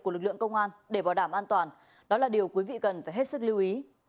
của lực lượng công an để bảo đảm an toàn đó là điều quý vị cần phải hết sức lưu ý